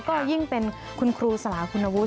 ก็ยิ่งเป็นคุณครูสลาคุณวุฒิ